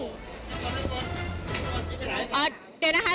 อ๋อเดี๋ยวนะคะจะซื้อตัวป่ะคะ